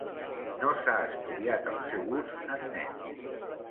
No s'ha estudiat el seu ús en nens.